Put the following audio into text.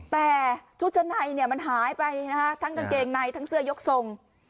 แต่ชุดชั้นในมันหายไปนะคะทั้งกางเกงในทั้งเสื้อยกทรง